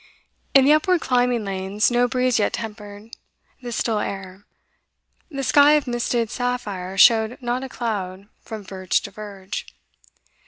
In the upward climbing lanes, no breeze yet tempered the still air; the sky of misted sapphire showed not a cloud from verge to verge.